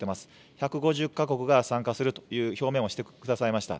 １５０か国が参加するという表明をしてくださいました。